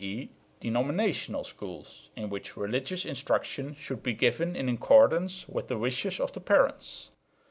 e. denominational schools, in which religious instruction should be given in accordance with the wishes of the parents.